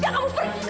jangan kamu pergi